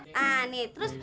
nah nih terus